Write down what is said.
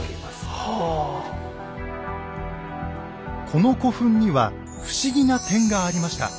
この古墳には不思議な点がありました。